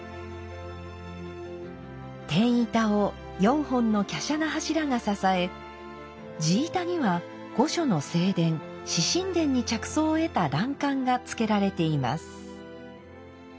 天板を４本の華奢な柱が支え地板には御所の正殿「紫宸殿」に着想を得た欄干が付けられています。